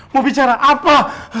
mau bicara apa